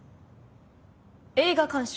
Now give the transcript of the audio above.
映画鑑賞。